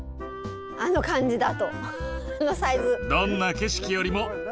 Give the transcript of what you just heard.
あの感じだとあのサイズ。